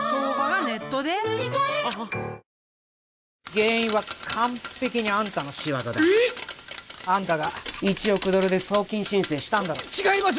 原因は完璧にあんたの仕業だえっあんたが１億ドルで送金申請したんだろ違います